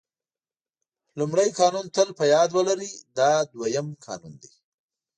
لومړی قانون تل په یاد ولرئ دا دوهم قانون دی.